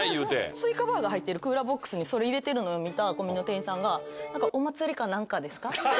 スイカバーが入ってるクーラーボックスにそれ入れてるのを見たコンビニの店員さんが。